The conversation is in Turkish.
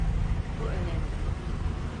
Bu önemli.